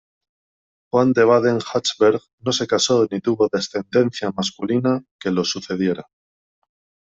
Juan de Baden-Hachberg no se casó ni tuvo descendencia masculina que lo sucediera.